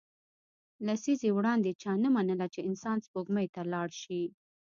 لسیزې وړاندې چا نه منله چې انسان سپوږمۍ ته لاړ شي